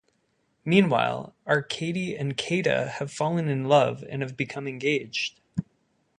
Meanwhile, Arkady and Katya have fallen in love and have become engaged.